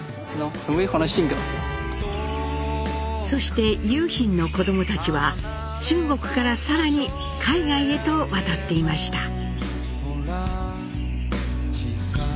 そして雄浜の子どもたちは中国から更に海外へと渡っていました。